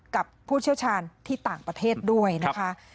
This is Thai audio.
ผู้เชี่ยวชาญที่ต่างประเทศด้วยนะคะ